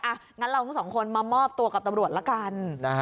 งั้นเราทั้งสองคนมามอบตัวกับตำรวจละกัน